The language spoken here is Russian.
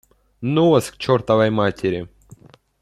Ну вас к чертовой матери